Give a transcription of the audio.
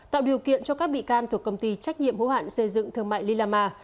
tạo điều kiện cho các bị can thuộc công ty trách nhiệm hữu hạn xây dựng thương mại lila ma